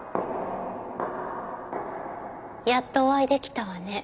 やっとお会いできたわね